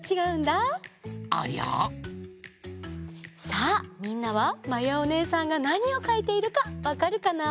さあみんなはまやおねえさんがなにをかいているかわかるかな？